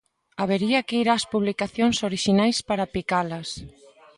Habería que ir ás publicacións orixinais para picalas.